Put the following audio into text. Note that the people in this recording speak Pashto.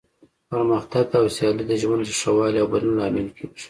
پرمختګ او سیالي د ژوند د ښه والي او بدلون لامل کیږي.